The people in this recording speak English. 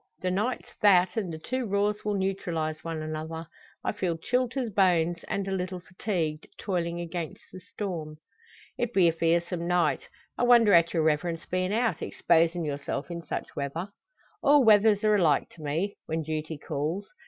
The night's that, and the two raws will neutralise one another. I feel chilled to the bones, and a little fatigued, toiling against the storm." "It be a fearsome night. I wonder at your Reverence bein' out exposin' yourself in such weather!" "All weathers are alike to me when duty calls.